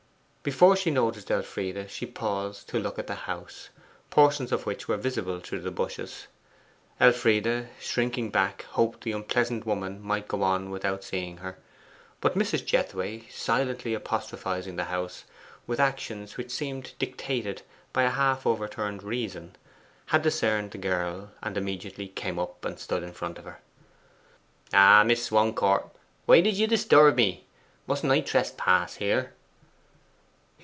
Before she noticed Elfride, she paused to look at the house, portions of which were visible through the bushes. Elfride, shrinking back, hoped the unpleasant woman might go on without seeing her. But Mrs. Jethway, silently apostrophizing the house, with actions which seemed dictated by a half overturned reason, had discerned the girl, and immediately came up and stood in front of her. 'Ah, Miss Swancourt! Why did you disturb me? Mustn't I trespass here?